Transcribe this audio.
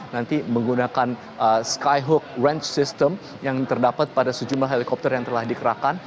nanti menggunakan skyhook range system yang terdapat pada sejumlah helikopter yang telah dikerahkan